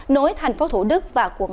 nối thành phố thủ đức và quận bảy